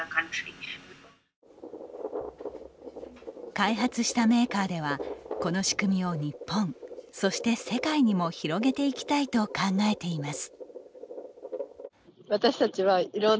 開発したメーカーではこの仕組みを日本そして世界にも広げていきたいと考えています。